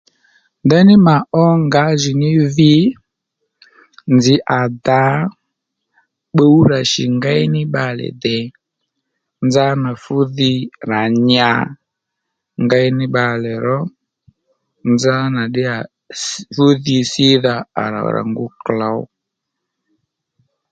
Ndeyní mà ó ngǎjìní dhi nzǐ à dǎ pbǔw rà shì ngéyní bbalè dè nzánà fú dhi ra nya ngéy ní bbalè ró nzánà ddíyà ss fú dhi sídha à rà ngu klǒw